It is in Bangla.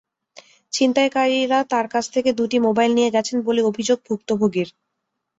ছিনতাইকারীরা তাঁর কাছ থেকে দুটি মোবাইল নিয়ে গেছেন বলে অভিযোগ ভুক্তভোগীর।